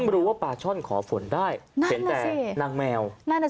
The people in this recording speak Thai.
รู้ว่าปลาช่อนขอฝนได้เห็นแต่นางแมว